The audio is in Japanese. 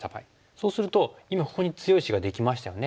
そうすると今ここに強い石ができましたよね。